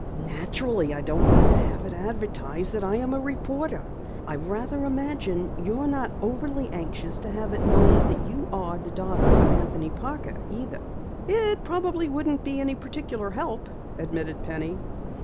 "Naturally I don't care to have it advertised that I am a reporter. I rather imagine you're not overly anxious to have it known that you are the daughter of Anthony Parker either!" "It probably wouldn't be any particular help," admitted Penny.